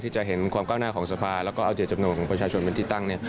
จะเห็นความก้าวหน้าของสภาแล้วก็เอาเจตจำนวนของประชาชนเป็นที่ตั้งเนี่ย